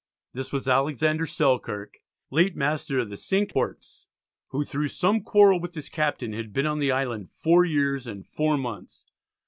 This was Alexander Selkirk, late master of the Cinque Ports, who through some quarrel with his captain had been on the island four years and four months.